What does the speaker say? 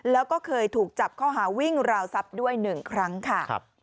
แล้วก็เคยถูกจับข้อหาวิ่งราวทรัพย์ด้วย๑ครั้งค่ะ